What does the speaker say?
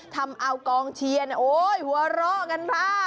ทำเอากองเชียร์โอ๊ยหัวเราะกันค่ะ